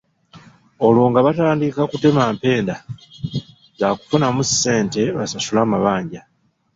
Olwo nga batandika kutema mpenda zaakufunamu ssente basasule amabanja.